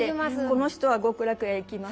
この人は極楽へ行きます